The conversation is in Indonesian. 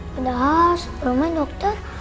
padahal seberumnya dokter